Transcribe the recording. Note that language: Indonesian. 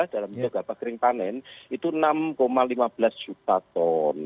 dalam gabah kering panen itu enam lima belas juta ton